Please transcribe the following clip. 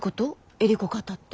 エリコ過多って。